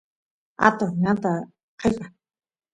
atoq ñanta ayqen